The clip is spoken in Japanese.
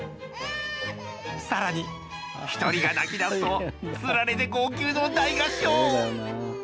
さらに、１人が泣き出すと、つられて号泣の大合唱。